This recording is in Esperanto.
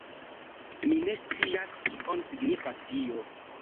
Mi ne scias kion signifas tio?